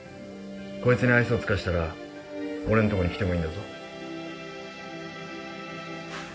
こいつに愛想をつかしたら俺んとこに来てもいいんだぞ？